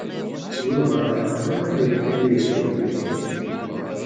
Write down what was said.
Yuba iḥemmel ad yeg tirmitin.